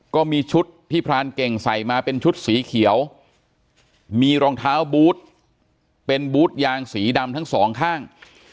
ก็มีชุดที่พรานเก่งใส่มาเป็นชุดสีเขียวมีรองเท้าบูธเป็นบูธยางสีดำทั้งสองข้าง